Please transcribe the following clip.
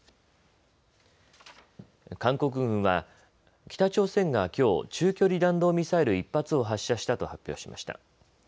韓国軍は北朝鮮がきょう、中距離弾道ミサイル１発を発射したと発表しました。